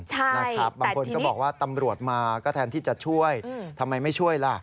ใช่นะครับบางคนก็บอกว่าตำรวจมาก็แทนที่จะช่วยทำไมไม่ช่วยล่ะ